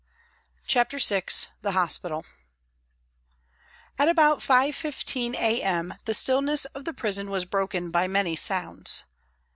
CHAPTER VI THE HOSPITAL AT about 5.15 a.m. the stillness of the prison was broken by many sounds.